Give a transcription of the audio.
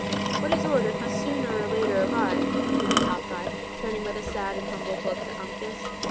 "What is ordered must sooner or later arrive," continued Hawkeye, turning with a sad and humbled look to Uncas.